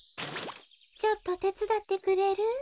ちょっとてつだってくれる？